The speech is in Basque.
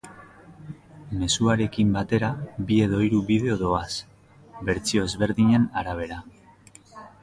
Mezuarekin batera bi edo hiru bideo doaz, bertsio ezberdinen arabera.